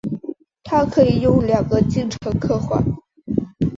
它可以用两个进程刻画。